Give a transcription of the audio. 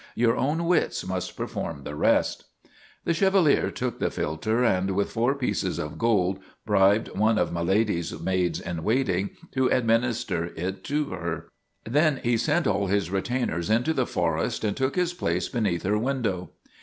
Your own wits must perform the rest." The Chevalier took the philter and with four pieces of gold bribed one of My Lady's maids in 242 HOUND OF MY LADY BLANCHE waiting to administer it to her. Then he sent all his retainers into the forest and took his place be neath her window.